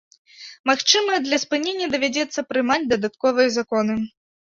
Магчыма, для спынення давядзецца прымаць дадатковыя законы.